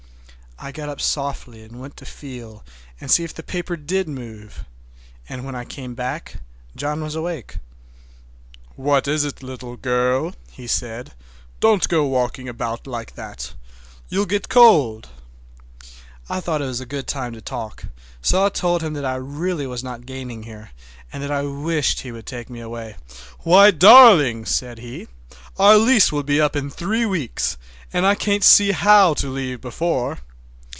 I got up softly and went to feel and see if the paper did move, and when I came back John was awake. "What is it, little girl?" he said. "Don't go walking about like that—you'll get cold." I thought it was a good time to talk, so I told him that I really was not gaining here, and that I wished he would take me away. "Why darling!" said he, "our lease will be up in three weeks, and I can't see how to leave before.